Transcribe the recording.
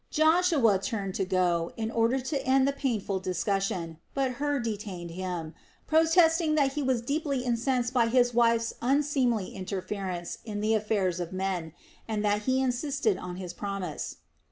Joshua turned to go, in order to end the painful discussion, but Hur detained him, protesting that he was deeply incensed by his wife's unseemly interference in the affairs of men, and that he insisted on his promise.